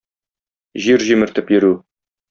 Җир җимертеп йөрү.